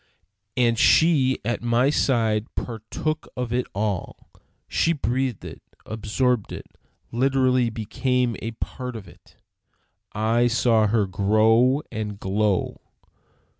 And she at my side partook of it all; she breathed it, absorbed it, literally became a part of it. I saw her grow and glow.